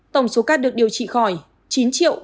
tổng số ca được điều trị khỏi